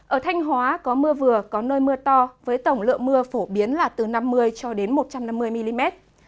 ở thanh hóa có mưa vừa có nơi mưa to với tổng lượng mưa phổ biến là từ năm mươi cho đến một trăm năm mươi mm